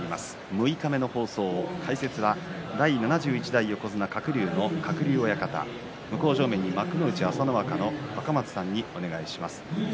六日目の放送の解説は第７１代横綱鶴竜の鶴竜親方向正面に幕内朝乃若の若松さんにお願いします。